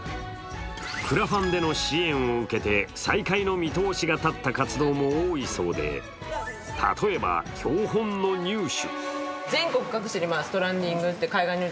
クラファンでの支援を受けて再開の見通しが立った活動も多いそうで例えば、標本の入手。